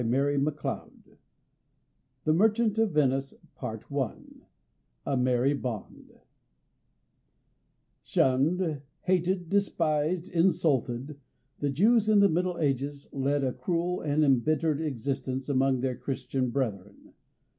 The Merchant of Venice A Merry Bond Shunned, hated, despised, insulted, the Jews in the Middle Ages led a cruel and embittered existence among their Christian brethren.